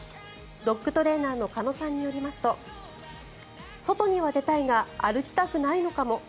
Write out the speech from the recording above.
ドッグトレーナーの鹿野さんによりますと外には出たいが歩きたくないのかも。